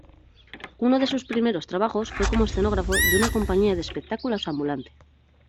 Uno de sus primeros trabajos fue como escenógrafo de una compañía de espectáculos ambulante.